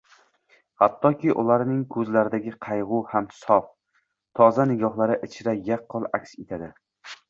Hattoki ularning ko‘zlaridagi qayg‘u ham sof, toza nigohlar ichra yaqqol aks etadi.